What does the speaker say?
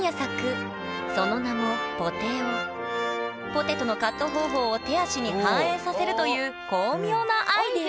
ポテトのカット方法を手足に反映させるという巧妙なアイデア！